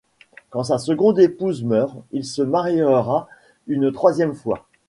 Quand sa seconde épouse meurt, il se mariera une troisième fois.